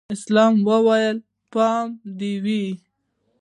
اسلام وويل پام دې و.